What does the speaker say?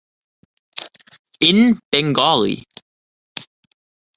In Bengali